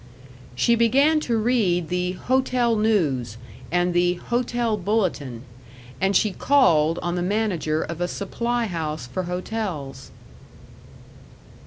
She began to read the Hotel News and the Hotel Bulletin, and she called on the manager of a supply house for hotels.